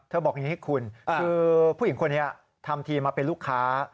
บอกอย่างนี้คุณคือผู้หญิงคนนี้ทำทีมาเป็นลูกค้า